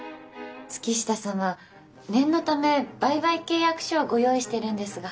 月下様念のため売買契約書をご用意してるんですが。